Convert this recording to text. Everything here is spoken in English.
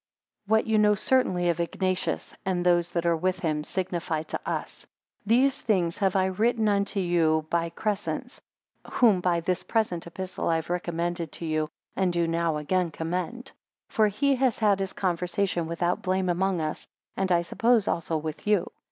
16 What you know certainly of Ignatius, and those that are with him, signify to us. 17 These things have I written unto you by Crescens, whom by this present Epistle I have recommended to you, and do now again commend. 18 For he has had his conversation without blame among us; and I suppose also with you.